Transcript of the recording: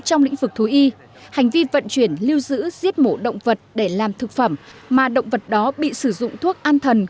trong lĩnh vực thú y hành vi vận chuyển lưu giữ giết mổ động vật để làm thực phẩm mà động vật đó bị sử dụng thuốc an thần